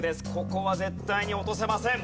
ここは絶対に落とせません。